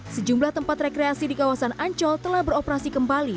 sejumlah tempat rekreasi di kawasan ancol telah beroperasi kembali